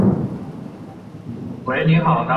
又娶孙权宗族的女儿为妻。